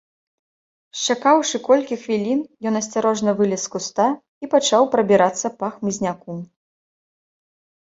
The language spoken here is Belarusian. Счакаўшы колькі хвілін, ён асцярожна вылез з куста і пачаў прабірацца па хмызняку.